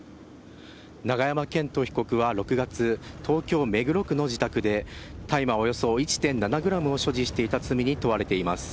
永山絢斗被告は６月、東京・目黒区の自宅で大麻およそ１．７グラムを所持していた罪に問われています。